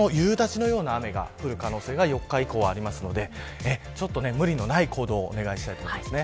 夏の夕立のような雨が降る可能性が、４日以降ありますので無理のない行動をお願いしたいと思います。